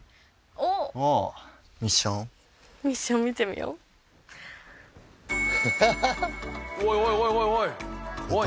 おいおいおいおい。